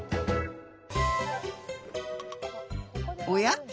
おや？